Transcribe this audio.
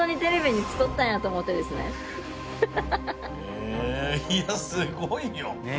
へえいやすごいよ。